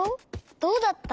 どうだった？